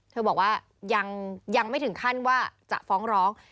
เธอบอกว่ายังไม่ถึงขั้นว่าจะฟ้องร้อง